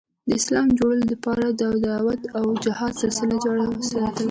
د اسلام خورلو دپاره د دعوت او جهاد سلسله جاري اوساتله